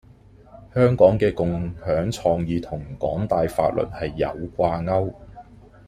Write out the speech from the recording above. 香港嘅「共享創意」同港大法律系有掛鉤